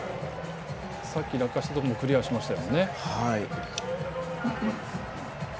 さっき落下したところもクリアしましたね。